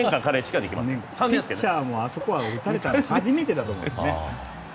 ピッチャーも、あそこへ打たれたの初めてだと思います。